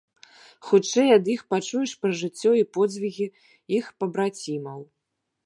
Хутчэй ад іх пачуеш пра жыццё і подзвігі іх пабрацімаў.